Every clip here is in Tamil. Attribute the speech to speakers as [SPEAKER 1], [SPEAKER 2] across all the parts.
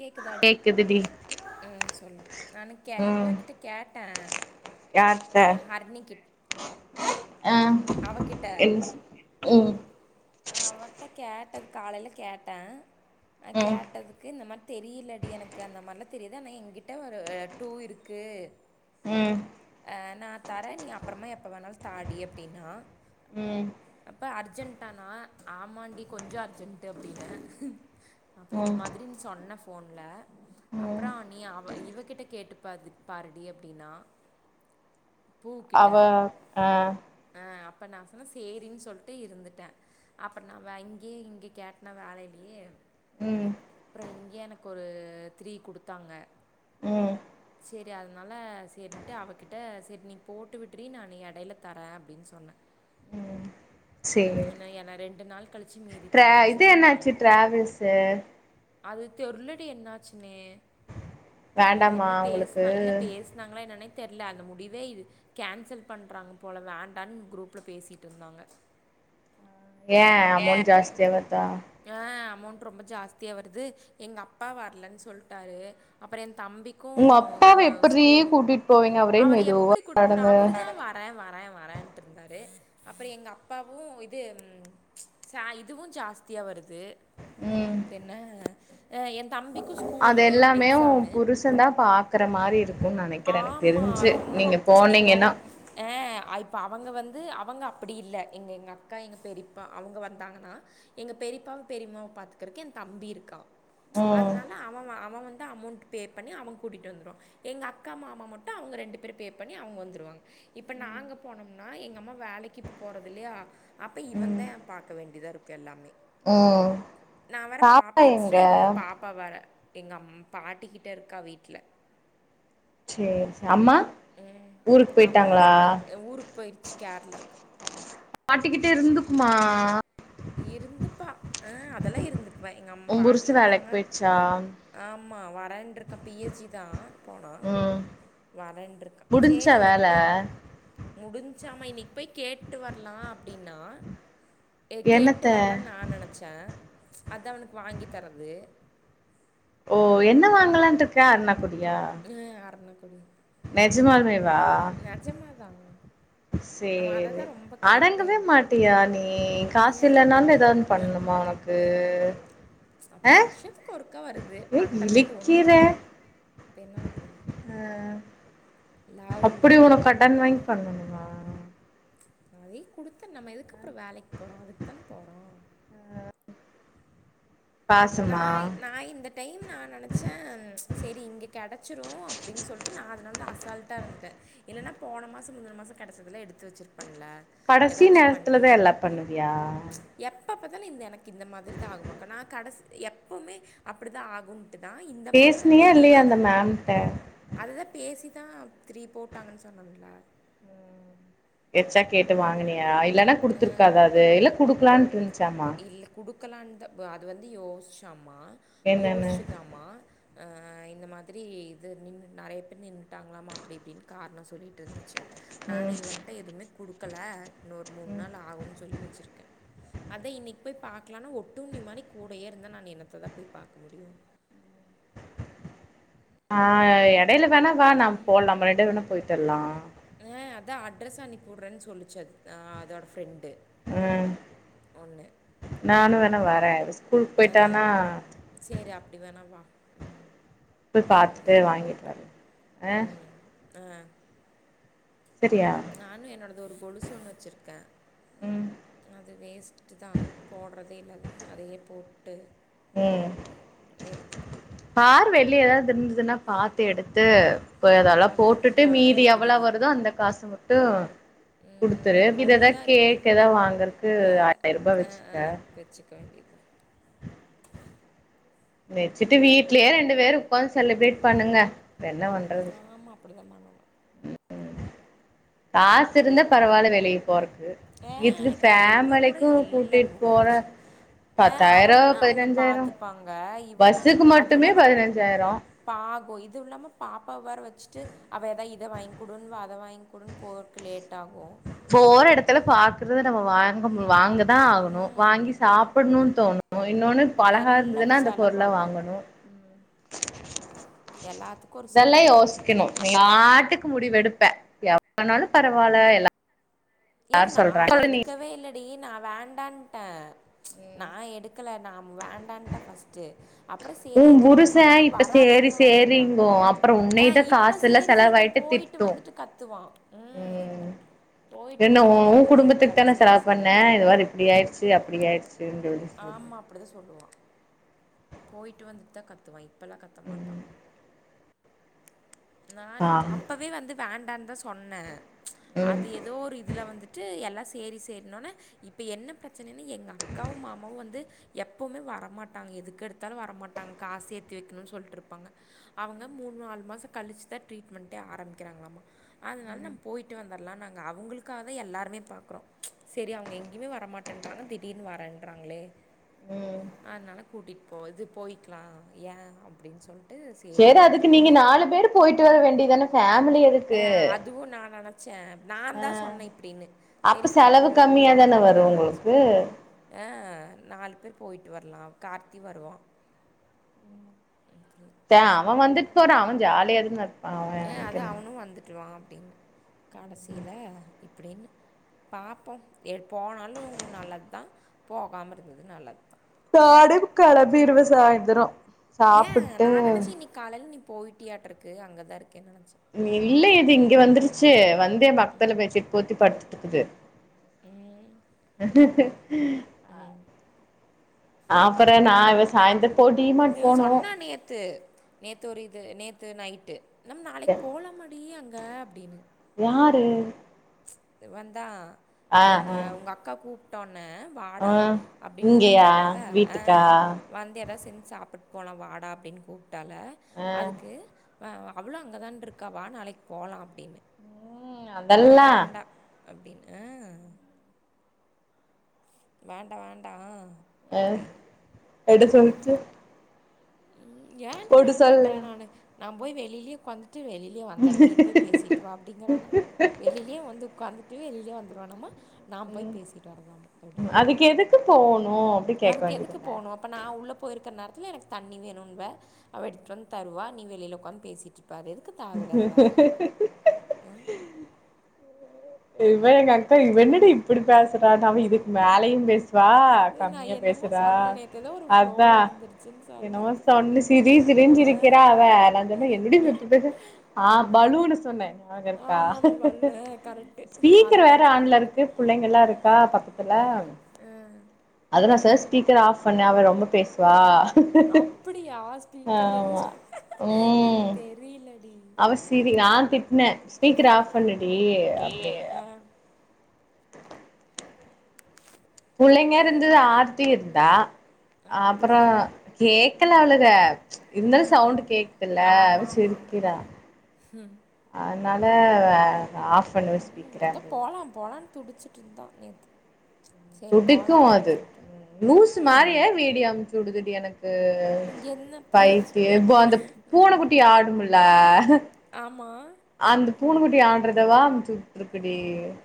[SPEAKER 1] கேக்குதா அடி
[SPEAKER 2] கேக்குதுடி
[SPEAKER 1] உம் சொல்லு நானும் கே
[SPEAKER 2] ம்
[SPEAKER 1] இவ கிட்ட கேட்டேன்
[SPEAKER 2] யார்ட்ட
[SPEAKER 1] அ ஹார்னிகி
[SPEAKER 2] ஆ என் ம்
[SPEAKER 1] ஆ அவன்ட்ட கேட்ட காலயில கேட்டேன் அ
[SPEAKER 2] ம்
[SPEAKER 1] கேட்டதுக்கு இந்த மாரி தெரியல டி எனக்கு அந்த மாரிலாம் தெரியாது ஆனால் என்கிட்ட ஒரு டூ இருக்கு
[SPEAKER 2] ம்
[SPEAKER 1] நான் தரேன் நீ அப்பறமா எப்போ வேணாலும் தாடி அப்டின்னா
[SPEAKER 2] ம்
[SPEAKER 1] அப்ப அர்ஜென்ட் கானா ஆமாண்டி கொஞ்சோம் அர்ஜென்ட் அப்டின்னு அப்போ இந்த
[SPEAKER 2] ம்
[SPEAKER 1] மாரின்னு சொன்னேன் ஃபோன்ல
[SPEAKER 2] ம்
[SPEAKER 1] அப்பறோம் நீ அவ இவகிட்ட கேட்டு பா பாருடி அப்டின்னா
[SPEAKER 2] அவ
[SPEAKER 1] பூக்கிட்ட
[SPEAKER 2] ஆ
[SPEAKER 1] ஆ அப்போ நான் சும்மா சேரின்னு சொல்லிட்டு இருந்துட்டேன் அப்றோம் நான இங்கயே இங்க கேட்டனா வேலயிலயே
[SPEAKER 2] ம்
[SPEAKER 1] இங்கயே எனக்கு ஒரு த்ரீ கொடுத்தாங்க
[SPEAKER 2] ம்
[SPEAKER 1] செரி அதனால செரின்ட்டு அவகிட்ட செரி நீ போட்டு விட்டுரி நான எடையில தாரேன் அப்டின்னு சொன்னேன்
[SPEAKER 2] செரி
[SPEAKER 1] இன்ன என்ன ரெண்டு நாள் கழிச்சு மீதித்தாரேன்னு
[SPEAKER 2] இது
[SPEAKER 1] சொல்லிருக்காங்க
[SPEAKER 2] என்னாச்சு டிராவல்ஸு
[SPEAKER 1] அது தெருளடி என்னாச்சுன்னே உ
[SPEAKER 2] வேண்டாமா
[SPEAKER 1] என்ன
[SPEAKER 2] உங்களுக்கு
[SPEAKER 1] பேசனா இல்ல பேசனாங்களா என்னன்னே தெரியல அந்த முடிவே கேன்சல் பண்றாங்க போல வேண்டான்னு குரூப்ல பேசிட்டு இருந்தாங்க
[SPEAKER 2] ஏ அமௌன்ட் ஜாஸ்தியா வருதா
[SPEAKER 1] ஆ அமௌண்ட் ரொம்ப ஜாஸ்தியா வருது எங்க அப்பா வரலன்னு சொல்லிட்டாரு அப்பறோம் தம்பிக்கும்
[SPEAKER 2] உங்க அப்பாவ எப்புட்றீ
[SPEAKER 1] ஸ்கூலு
[SPEAKER 2] கூட்டிட்டு போவீங்க அவரே
[SPEAKER 1] அவரு
[SPEAKER 2] மெதுவா
[SPEAKER 1] எப்டி கூட்டி போறது
[SPEAKER 2] நடந்து
[SPEAKER 1] அவர் தானே வரேன் வரேன் வரேன்ட்டு இருந்தாரு அப்பற எங்க அப்பாவு இப் து ம் ச இதுவு ஜாஸ்தியா வருது
[SPEAKER 2] ம்
[SPEAKER 1] தென்ன ஆ என் தம்பிக்கு
[SPEAKER 2] அது
[SPEAKER 1] ஸ்கூலு
[SPEAKER 2] எல்லாமே ஓ
[SPEAKER 1] எக்ஸாமு
[SPEAKER 2] புருஷந்தா பாக்குற மாரி இருக்
[SPEAKER 1] ஆமா ரொம்ப இப்போ
[SPEAKER 2] போனீங்கன்னா
[SPEAKER 1] அ இப்ப அவங்க வந் து அவங்க அப்டி இல்ல எங்கெங்க அக்கா எங்க பெரிப்பா அவுங்க வந்தாங்கனா எங்க பெரிப்பாவ பெரிம்மாவ பாத்துக்கறக்கு என் தம்பி இருக்கா
[SPEAKER 2] ம்
[SPEAKER 1] அதுனால அவவா அவ வந்து அமௌண்ட் பே பண்ணி அவ கூட்டிட் வந்துருவா எங்க அ க்கா மாமா மட்டு அவுங்க ரெண்டு பேரும் பே பண்ணி அவுங்க வந்துருவாங்க இப்ப நாங்க போனம்னா எங்க அம்மா வேலைக்கு இப்ப போறதில்லயா அப்ப
[SPEAKER 2] ம்
[SPEAKER 1] இவன்தே பாக்க வேண்டியதாருக்கு எல்லாமே
[SPEAKER 2] ம்
[SPEAKER 1] நா வர பா
[SPEAKER 2] பாப்பா
[SPEAKER 1] எக்ஸ்ட்ரா
[SPEAKER 2] எங்க
[SPEAKER 1] எங்களுக்கு பாப்பா வேர எங்க அம் பாட்டிக்கிட்ட இருக்கா வீட்ல
[SPEAKER 2] சேரி சே அம்மா
[SPEAKER 1] உம்
[SPEAKER 2] ஊருக்கு
[SPEAKER 1] அம்மாவ
[SPEAKER 2] போயிட்டாங்களா
[SPEAKER 1] ஊருக்கு போயிருச்சு கேரளாக்கு
[SPEAKER 2] பாட்டிக்கிட்ட இருந்துக்குமா
[SPEAKER 1] இருந்துப்பா ஆ அதெல்லா இருந்துரு வ எங்கம்
[SPEAKER 2] உ புருசு
[SPEAKER 1] பாட்டியு
[SPEAKER 2] வேலைக்கு
[SPEAKER 1] இருக்காங்க
[SPEAKER 2] போயிடுச்சா
[SPEAKER 1] ஆமா வரேன்ருக்க பி ஏ ஜி தா போனா
[SPEAKER 2] ம்
[SPEAKER 1] வரேன்ருக்கா சேரி
[SPEAKER 2] முடிஞ்சா
[SPEAKER 1] இன்னைக்
[SPEAKER 2] வேல
[SPEAKER 1] போய் முடுஞ்ச்சாம இன்னைக் போய் கேட்டு வர்லா அப்டின்னா கேட்டு
[SPEAKER 2] என்னத்த
[SPEAKER 1] வரலான் நா நெனச்சே அது அவனுக்கு வாங்கி தரது
[SPEAKER 2] ஓ என்ன வாங்கலான்ட்ருக்க அருனா
[SPEAKER 1] ஆ அருணாக்க கொடி
[SPEAKER 2] நெஜமாலுமே
[SPEAKER 1] நஜமாதா
[SPEAKER 2] சேரி அடங்கவே
[SPEAKER 1] இருந்தான்
[SPEAKER 2] மாட்டியா நீ காசு இல்லன்னாலு எதா ஒண்ணு பண்ணுமா ஒனக்கு அ
[SPEAKER 1] அப்புறம் வருஷத்துக்கு ஒருக்கா வருது
[SPEAKER 2] ஏ
[SPEAKER 1] பண்றதே அது ஒன்னு
[SPEAKER 2] இழிக்கிற
[SPEAKER 1] தான் இப்ப என்ன பண்றது
[SPEAKER 2] ஆ
[SPEAKER 1] லவ்
[SPEAKER 2] அப்புடி உனக் கடன் வாங்கி பண்ணனுமா
[SPEAKER 1] அதே குடுத்த நம்ம எதுக்கப்றொ வேலைக் போறோ அதுக்குத்தானே போறோ நா
[SPEAKER 2] பாசமா
[SPEAKER 1] நா இந்த டைம் நா நெனச்சே சேரி இங்க கெடச்சிரு அப்புடின் சொல்ட்டு நா அதனால்தா அசால்ட்டா இருந்துட்டே இல்லனா போனமாசம் முந்துன மாசம் கெடச்சதுல்ல எடுத்து வச்சிரு
[SPEAKER 2] கடசி நேரத்துலதா எல்லா பண்ணுவியா
[SPEAKER 1] அப்பப்பதான இந்த எனக்கு இந்த மாதிரி தா ஆகுமாக்க நா கடசி எப்பவுமே அப்படி தான் ஆகும் தான் இந்த மாசம் நான்
[SPEAKER 2] பேசுனியா இல்லையா
[SPEAKER 1] தெளிவா
[SPEAKER 2] அந்த
[SPEAKER 1] இருந்தேன்
[SPEAKER 2] மேம்ட்ட
[SPEAKER 1] அதுதான் பேசிதான் திரி போட்டாங்கன்னு சொன்னம்ல
[SPEAKER 2] எச்சா கேட்டு வாங்கினியா இல்ன்னா குடுத்துருக்காத அது இல்ல குடுக்கலாண்டு
[SPEAKER 1] இல்ல குடு உக்கலாந்த பா அது வந்து யோசாம் மா
[SPEAKER 2] என்னன்னு
[SPEAKER 1] யோசிச்சுதாம இந்த மாதிரி இது நின்று நிறைய பேர் நின்றுட்டாங்களாமா அப்படி இப்படின்னு காரணம் சொ சொல்லிட்டு இருந்துச்சு
[SPEAKER 2] ம்
[SPEAKER 1] நான் இவன்ட்ட எதுவுமே கொடுக்கல இன்னொரு மூணு
[SPEAKER 2] ம்
[SPEAKER 1] நாள் ஆகும்ன்னு சொல்லி வச்சிருக்கேன் அத இன்னைக்கு போய் பாக்கலானா ஒட்டுண்ணி மாதிரி கூடயே இருந்தா நான் என்னத்த தான் போய் பார்க்க முடியும்
[SPEAKER 2] ஆஹ் எடையில வேணா வா நான் போலாம் நம்மரெண்டு வேணா போயிட்டுரலாம்
[SPEAKER 1] சா அனுப்பி விடுறேன் சொல்லிச்சது அதோட ஃபிரெண்ட்
[SPEAKER 2] உம் நானும் வேண வரேன் ஸ்கூலுக்கு
[SPEAKER 1] ஆ
[SPEAKER 2] போயிட்டானா
[SPEAKER 1] சேரி அப்டி வேணா வா
[SPEAKER 2] போய் பாத்து வாங்கிட்டு வரலாம் ஆ
[SPEAKER 1] ஆஹ்
[SPEAKER 2] சரியா
[SPEAKER 1] நானும் என்னோடது ஒரு கொலுச ஒன்ன வச்சிருக்கேன்
[SPEAKER 2] ம்
[SPEAKER 1] அது வேஸ்ட் தான் போடுறதே இல்லது அதையே போட்டு
[SPEAKER 2] ம்
[SPEAKER 1] ட்டு எடுத்துப்போம்
[SPEAKER 2] வெள்ளி ஏதாது இருந்துதுன்னா பாத்து எடுத்து அதெல்லாம்
[SPEAKER 1] அது ஒன்று
[SPEAKER 2] போட்டுட்டு
[SPEAKER 1] தான்
[SPEAKER 2] மீதி எவ்வளவு
[SPEAKER 1] இருக்குதுடி
[SPEAKER 2] வருதோ அந்த காசு ட்டு
[SPEAKER 1] ம்,
[SPEAKER 2] குடுத்துரு
[SPEAKER 1] அது
[SPEAKER 2] இத
[SPEAKER 1] ஒன்று
[SPEAKER 2] எதா
[SPEAKER 1] தான் இருக்குது
[SPEAKER 2] கேக் ஏதாவது வாங்கதுக்கு
[SPEAKER 1] வேறு
[SPEAKER 2] ஆயிரம் ரூபா வச்சுக்க
[SPEAKER 1] வச்சுக்க வேண்டியது தான்
[SPEAKER 2] வச்சுட்டு வீட்லயே ரெண்டு பேர் உக்காந்து செலிப்ரேட் பண்ணுங்க இப்ப என்ன
[SPEAKER 1] ஆ
[SPEAKER 2] பண்றது
[SPEAKER 1] ஆமா அப்படிதான் பண்ணணும்
[SPEAKER 2] காசு இருந்த பரவால வெளிய போறது
[SPEAKER 1] ஏக்கா ஒரு ரூபா கூட இல்ல
[SPEAKER 2] கூட்டிட்டு போற
[SPEAKER 1] முடிஞ்சு ஆஹ்
[SPEAKER 2] பத்தாயிரோ
[SPEAKER 1] அவுங்கன்னா அவுங்க
[SPEAKER 2] பதினஞ்சாயிரோ
[SPEAKER 1] பாத்துப்பாங்க இவனா
[SPEAKER 2] பஸ்ஸுக்கு
[SPEAKER 1] அதுவும்
[SPEAKER 2] மட்டுமே
[SPEAKER 1] இல்லாம
[SPEAKER 2] பதினஞ்சாயிரோ
[SPEAKER 1] பாகும் இது இல்லாம பாப்பாவ வேற வச்சுட்டு அவ ஏதாவது இதை வாங்கிக்குடுவா அத வாங்க கூட போகதுக்கு லேட் ஆகும்
[SPEAKER 2] போற எடத்துல பாக்குறது நம்ம வாங்க வாங்குறது தான் ஆகணும் வாங்கி
[SPEAKER 1] ம்
[SPEAKER 2] சாப்பிடணும்னு தோணும் போய் இன்னொன்னு பழகா
[SPEAKER 1] எல்லாம்
[SPEAKER 2] இருந்ததுன்னா அந்த பொருள
[SPEAKER 1] செலவாகும்
[SPEAKER 2] வாங்கணும்
[SPEAKER 1] எல்லாத்துக்கு ஒரு
[SPEAKER 2] இதெல்லாம்
[SPEAKER 1] செலவு
[SPEAKER 2] யோசிக்கணும் நாட்டுக்கு முடிவு எடுப்பேன் எவ்வனாலும் பரவாயில்ல எல்லா
[SPEAKER 1] ஏன் நா எடுக்கவே இல்லடி நான் வேண் வேண்டான்டே நான் எடுக்கல நான் வேண்டான்டே ஃபஸ்ட்டு அப்பறம் சேரி
[SPEAKER 2] உன்
[SPEAKER 1] இவங்கதான்
[SPEAKER 2] புருச
[SPEAKER 1] சொன்னாங்க
[SPEAKER 2] இப்ப சேரி
[SPEAKER 1] வராதவங்க வந்திருக்காங்க
[SPEAKER 2] சேரிங்கு அப்புற
[SPEAKER 1] ஆ
[SPEAKER 2] உன்னைதா
[SPEAKER 1] இப்ப
[SPEAKER 2] காசு எல்லா
[SPEAKER 1] சேரி சேரி
[SPEAKER 2] செலவாயிட்டு
[SPEAKER 1] போயிட்டு
[SPEAKER 2] திட்டு
[SPEAKER 1] வந்துட்டு கத்துவான் உம்
[SPEAKER 2] ம்
[SPEAKER 1] போய்ட்
[SPEAKER 2] என்ன உன் குடும்பத்துக்கு தான செலவு பண்ணேன் இத வாரு இப்படி ஆயிச்சு அப்படி ஆயிச்சு
[SPEAKER 1] ஆமா அப்டிதா சொல்லுவா
[SPEAKER 2] [unintelligible]
[SPEAKER 1] போயிட்டு வந்துட்டு தான் கத்து வாய்ங் இப்பல்லாம் கத்த
[SPEAKER 2] ம்
[SPEAKER 1] மாட்டான் நானு
[SPEAKER 2] ஆ
[SPEAKER 1] அப்பவே வந்து வேன் வேண்டாம் தான் சொன்னே
[SPEAKER 2] ம்
[SPEAKER 1] அது ஏதோ ஒரு இதுல வந்துட்டு எல்லா சேரி சேரினொனா இப்ப என்ன பிரச்ச ச்சனன்னு எங்க அக்காவும் மாமாவும் வந்து எப்பவுமே வரமாட்டாங்க எதுக்கு எடுத்தாலும் வரமாட்டாங்க காசு ஏத்தி வைக்கணும் சொல்லிட்டு இருப்பாங்க அவங்க மூணு நாலு மாசம் கழிச்சுதான் ட்ரீட்மெண்டே ஆரம்பிக்கிறாங்களாமா அதனால நம்ப போயிட்டு வந்துடலாம் நாங்க அவங்களுக்காக தான் எல்லாருமே பாக்குறோம் சேரி அவங்க எங்கயுமே வரமாட்டேன்றாங்க திடீர்னு வரேன்றாங்களே
[SPEAKER 2] ம்
[SPEAKER 1] அதனால கூட்டிட்டு இப்போ இது போயிக்கலாம் ஏன் அப்படின்னு சொல்
[SPEAKER 2] சேரி அதுக்கு நீங்க நாலு பேரு போய்ட்டு வர வேண்டிதான பேம்
[SPEAKER 1] அஹ் அதுவும் நான் நினைச்சேன் நான்
[SPEAKER 2] ஆ
[SPEAKER 1] தான் சொன்னேன் இப்டின்னு சரி
[SPEAKER 2] அப்ப செலவு
[SPEAKER 1] ஃபேமிலியோட
[SPEAKER 2] கம்மியா
[SPEAKER 1] போலாம்
[SPEAKER 2] தான
[SPEAKER 1] ரொம்ப
[SPEAKER 2] வரு
[SPEAKER 1] நல்லாச்சு
[SPEAKER 2] உங்களுக்கு
[SPEAKER 1] ஆஹ் நாலு பேர் போயிட்டு வரலாம் கார்த்தி வருவான்
[SPEAKER 2] த அவன் வந்துட் போற அவன் ஜாலியாதுன்னு
[SPEAKER 1] ஏ அத அவனும் வந்துட்டுவான் அப்படின்னு கடைசியில இப்படின்னு பார்ப்போம் எ போனாலும் நல்லது தான் போகாமல் இருந்தது நல்லது தான்
[SPEAKER 2] நானே கிளம்பிருவேன் சாய்ந்திரம்
[SPEAKER 1] ஏன் நான் நினைச்சே இனைக் காலையல நி போயிட்டியாட்டிருக்கு அங்க தான் இருக்
[SPEAKER 2] இல்ல இது இங்க வந்துருச் ச்சு வந் [unintelligible] க்குது
[SPEAKER 1] உம்
[SPEAKER 2] ஆப்பற நான்
[SPEAKER 1] உம் இ சொன்னா நேத்து நேத்து ஒரு இது நேத்து த்து நைட்டு நம்ம நாளைக்கு போலமாடி அங்க அ அப்படின்னு
[SPEAKER 2] யாரு
[SPEAKER 1] இவந்தா
[SPEAKER 2] ஆ
[SPEAKER 1] கே உங்க
[SPEAKER 2] ஆ
[SPEAKER 1] உங்க அக்கா கூ
[SPEAKER 2] ஆ
[SPEAKER 1] வாடா அப்படின்னு
[SPEAKER 2] இங்கயா
[SPEAKER 1] கூப்ட்டால
[SPEAKER 2] வீட்டுக்கா
[SPEAKER 1] வந்து ஏதாது செஞ்சு சாப்பிட்டு போலாம் வாடா அப்படின்னு கூப் டால
[SPEAKER 2] ஆ
[SPEAKER 1] அதுக்கு அவ்வளோ அங்கதான் இருக்காவா நாளைக்கு போலா அப்படின்னு
[SPEAKER 2] உம் அதெல்லாம்
[SPEAKER 1] அப்டின்னு வேண்டாம் வேண்டாம்
[SPEAKER 2] அஹ் எட சொல்லிச்சு
[SPEAKER 1] உம் ஏன்டி
[SPEAKER 2] போட்டு சொல்லையா
[SPEAKER 1] வேண்டங்கறேன் நானு நான் போய் வெளியிலே உட்கார்ந்து ட்டு வெளியிலயே வந்தர நீ போய் பேசிட்டு வா அப்படிங்கறான வெளியிலயே வந்து உட்கார்ந்து வெளியே வந்துடுவானாமா நான் போய் பேசிட்டு வரலாம் எப்படி
[SPEAKER 2] போனும்
[SPEAKER 1] அதுக்கு எதுக்கு போணும் அப்ப நான் உள்ள போயிருக்க நேர இல்ல எனக்கு தண்ணி வேணும்னுவ அவ எடுத்துட்டு வந்து தருவா நீ வெளியில உட்காந்து பேசிட்டு இருக்க இப்ப அது தேவைல்லாத வேலை உஹம்
[SPEAKER 2] இவ எங்க அக்கா இவ என்னடி இப்படி பேசுறா இதுக்கு மேலையும் பேசுவா
[SPEAKER 1] இது நான்
[SPEAKER 2] கம்மியா
[SPEAKER 1] என்னமோ
[SPEAKER 2] பேசுறா
[SPEAKER 1] சொன்னேன் நேற்று ஏதோ ஒரு
[SPEAKER 2] அதான்
[SPEAKER 1] ஃப்ளோவில் வந்துடுச்சுன்னு
[SPEAKER 2] என்னமோ
[SPEAKER 1] சொன்னதுக்கு சொல்லி
[SPEAKER 2] சொன்னு சிரி சிரினு
[SPEAKER 1] ஆ
[SPEAKER 2] சிருக்கிறா அவ நான் சொன்னேன் என்னடி சிரிச்சிட்டு இருக்க ஆஹ் பலூன்னு சொன்னேன் நியாபகம்இருக்கா
[SPEAKER 1] ஆமாம் ஆமாம் வல்ல கரெக்டு அதை
[SPEAKER 2] ஸ்பீக்கர் வேற
[SPEAKER 1] கிடச்சா
[SPEAKER 2] ஆண்ல
[SPEAKER 1] கிடையாது
[SPEAKER 2] இருக்கு பிள்ளைங்களலாம் இருக்கா [unintelligible] ஸ்பீக்கர் ஆஃப் பண்ண அவர் ரொம்ப பேசுவா
[SPEAKER 1] அப்படிய யா ஸ்பீக்கர்ல இருந்து
[SPEAKER 2] ஆமா
[SPEAKER 1] எனக்கு
[SPEAKER 2] ம்
[SPEAKER 1] தெரியிலடி
[SPEAKER 2] அவ சிரி நான் திட்ன ஸ்பீக்கர் ஆஃப் பண்ணுனு. ஏய் அப்டினு. [inaudible]
[SPEAKER 1] ஆ
[SPEAKER 2] புள்ளைங்க இருந்து
[SPEAKER 1] தெரியும்
[SPEAKER 2] ஆர்த்தி இருந். தா. அப்புறோ
[SPEAKER 1] அப்படியா
[SPEAKER 2] கேக். [unintelligible] ம்ச் இருந்தாலும் சவுண்ட் கேக்குதுல அவ
[SPEAKER 1] ஆமாம் ஆமாம்
[SPEAKER 2] சிரிக்குறா.
[SPEAKER 1] ஆமாம்
[SPEAKER 2] அதனால. ஆஃப் பண்ணு
[SPEAKER 1] ம்
[SPEAKER 2] ஸ்பீக்கர
[SPEAKER 1] அதான்
[SPEAKER 2] அப்டின்னு.
[SPEAKER 1] போகலாம் போகலான்னு துடிச்சிட்டு இருந்தா நேத்து.
[SPEAKER 2] துடிக்கும் அது லூசு மாதிரியே
[SPEAKER 1] ம்
[SPEAKER 2] வீடியோ அமைச்சு உடுதுடி எனக்கு.
[SPEAKER 1] என்ன பேச
[SPEAKER 2] பைத்தியோ இப்ப அந்த பூனக்குட்டி ஆடும்ல.
[SPEAKER 1] ஆமாம்
[SPEAKER 2] அந்த பூனக்குட்டி ஆடுறததா அமுச்சு உட்டுட்டு இருக்கு டி.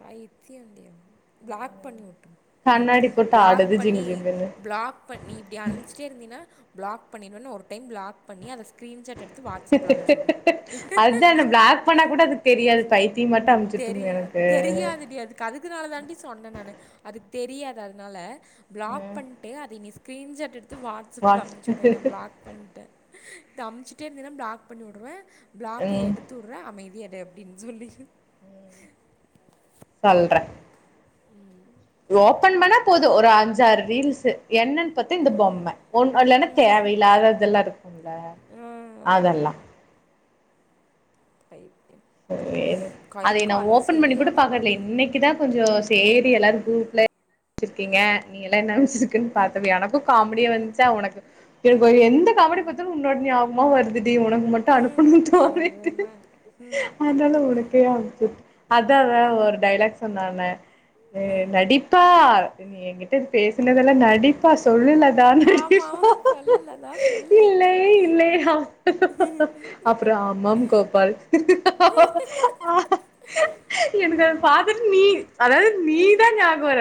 [SPEAKER 1] பைத்தியன்டி அவ பிளாக் பண்ணி உட்று உஹம்.
[SPEAKER 2] கண்ணாடி போட்டு
[SPEAKER 1] பிளாக்
[SPEAKER 2] ஆடுது ஜிங்கு
[SPEAKER 1] பண்ணி
[SPEAKER 2] ஜிங்குன்னு
[SPEAKER 1] பிளாக் பண்ணி இப்டி அனுச்சுட்டே இருந்தீன்னா. பிளாக் பண்ணிருவனு ஒரு டைம் பிளாக் பண்ணி அத ஸ்கிரீன்சாட் எடுத்து. வாட்ஸ்அப்பில் அனுப்பிச்சி விடு
[SPEAKER 2] ஹஹேஹேஹ அதுதான் என்ன பிளாக் பண்ணக் கூட அதுக்கு தெரியாது
[SPEAKER 1] டென்ஷன்
[SPEAKER 2] பைத்தியமாட்ட அமுச்சுட்டுருந்தது
[SPEAKER 1] தெரியாது
[SPEAKER 2] எனக்கு.
[SPEAKER 1] தெரியாதுடி அதுக்கு அதுக்குனாலதான்டி சொன்ன நானு அதுக்கு. தெரியாது அதனால. பிளாக்
[SPEAKER 2] ம்
[SPEAKER 1] பண்ட்டு அதை நீ சொல். ஸ்கிரீன்சாட் எடுத்து வாட்ஸ் ஆப்ல அம்சிவுடு என்ன பிளாக் பண்ட்ட. இத அம்ச்சுட்டே இருந்தீன்னா பிளாக் பண்ணிடுவ. பிளாக்க
[SPEAKER 2] ம்
[SPEAKER 1] எடுத்துற்ற அமைதியாரு. டு அப்டின்னு சொல்லி.
[SPEAKER 2] சொல்ற.
[SPEAKER 1] உம்.
[SPEAKER 2] ஓப்பன் பண்ணா போது ஒரு அஞ்சாறு ரீல்ஸ்சு. என்னன்னு பாத்தா இந்த பொம்ம ஒன்னு இல்லைன்னா தேவ இல்லாதது இதெல்லாம் இருக்கும்ல
[SPEAKER 1] ஆ
[SPEAKER 2] அதெல்லா.
[SPEAKER 1] பைத்.
[SPEAKER 2] சேரி அதை நான் ஓபன் பண்ணி கூட
[SPEAKER 1] சரியான
[SPEAKER 2] பாக்குறதில்ல
[SPEAKER 1] வலி.
[SPEAKER 2] இன்னைக்குதான் கொஞ்சோ. சேரி. எல்லாரும் கூட்ல. வச்சிருக்கீங்க நீங்கெல்லா என்ன வச்சிருக்குன்னு பார்த்தது எனக்கும் காமெடியா வந்துச்சா உனக்குக்கு வேற எந். எந்த காமெடி பாதாலு உன்னோட நியாப. உமா வருது உனக்கு மட்டும்
[SPEAKER 1] ம்
[SPEAKER 2] அனுப்பணும் தோனிட்டு
[SPEAKER 1] எருமை. ம்
[SPEAKER 2] அதனால உனக்கே அனுச்சுடு அதான் ஒரு டைலாக் சொன்னான நடிப்பா நீ என்கிட்ட பேசுனதெல்லாம் நடிப்பா சோல்லுலதா நடிப்பா
[SPEAKER 1] ஆமாம் சொல்லல அதான்
[SPEAKER 2] [unintelligible]
[SPEAKER 1] சொல்லு.
[SPEAKER 2] இல்லை இல்லை அப்புறம் அம்மாம் கோபால் [unintelligible] எனக்கு அதை பாத்துட்டு நீ அதாவது நீதான் ஞாபகம்வர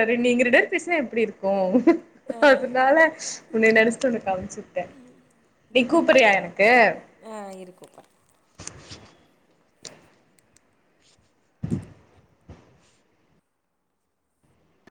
[SPEAKER 2] [unintelligible] பேசுனா எப்படி இருக்கும் அதுனால உன்னை நினைச்சிட்டு உனக்கு அம்முச்சுட்டேன் நீ கூப்பறியா
[SPEAKER 1] நியூஸா
[SPEAKER 2] எனக்கு
[SPEAKER 1] ஆ இரு கூப்புட்றேன்.
[SPEAKER 2] [inaudible]